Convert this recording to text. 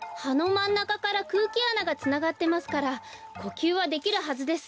まんなかからくうきあながつながってますからこきゅうはできるはずです。